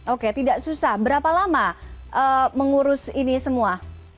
oke tidak susah berapa lama mengurus ini semua